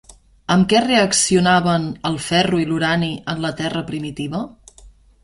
Amb què reaccionaven el ferro i l'urani en la Terra primitiva?